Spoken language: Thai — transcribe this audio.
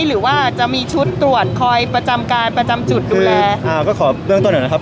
หรือว่าจะมีชุดตรวจคอยประจำการประจำจุดดูแลอ่าก็ขอเบื้องต้นหน่อยนะครับ